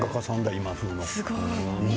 今風の。